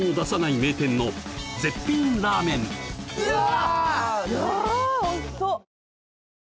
うわ！